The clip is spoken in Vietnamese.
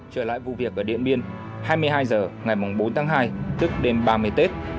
trở lại vụ việc ở điện biên hai mươi hai h ngày bốn tháng hai tức đêm ba mươi tết